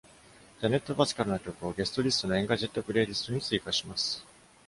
Janet Paschal の曲をゲストリストのエンガジェットプレイリストに追加します。